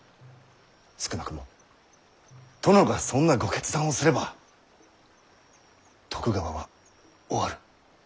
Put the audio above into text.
少なくも殿がそんなご決断をすれば徳川は終わる。